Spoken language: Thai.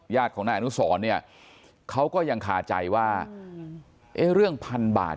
ของนายอนุสรเนี่ยเขาก็ยังคาใจว่าเอ๊ะเรื่องพันบาท